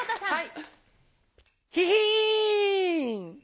はい。